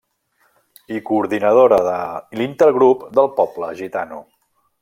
I coordinadora de l'intergrup del poble gitano.